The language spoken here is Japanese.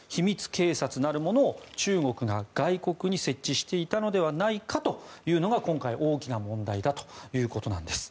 警察なるものを中国が外国に設置していたのではないかというのが今回大きな問題だということなんです。